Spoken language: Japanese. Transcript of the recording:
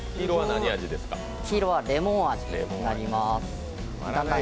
黄色はレモン味になります。